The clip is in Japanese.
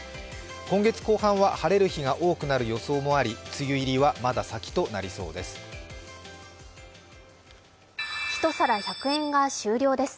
今月後半は晴れる日が多くなる予想もあり、梅雨入りはまだ先となりそうです。